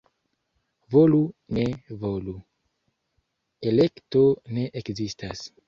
Volu-ne-volu, — elekto ne ekzistas.